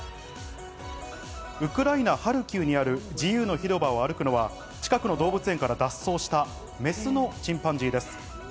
ウクライナ・ハルキウにある自由の広場を歩くのは、近くの動物園から脱走したメスのチンパンジーです。